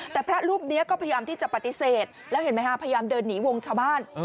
แต่พระรูปนี้ก็พยายามที่จะปฏิเสธแล้วเห็นไหมฮะพยายามเดินหนีวงชาวบ้าน